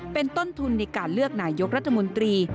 เป็นต้นทุนในการเลือกนายกรัฐมนตรี